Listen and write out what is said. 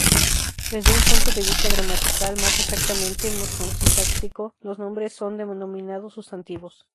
Desde un punto de vista gramatical, más exactamente morfosintáctico, los nombres son denominados sustantivos.